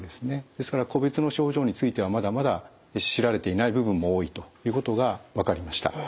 ですから個別の症状についてはまだまだ知られていない部分も多いということが分かりました。